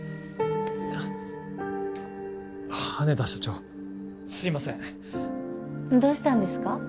羽田社長すいませんどうしたんですか？